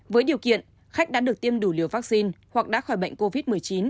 với điều kiện khách đã được tiêm đủ liều vaccine hoặc đã khỏi bệnh covid một mươi chín